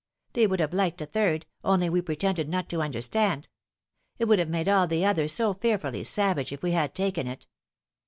They would have liked a third, only we pretended not to under stand. It would have made all the others so fearfully savage if we had taken it."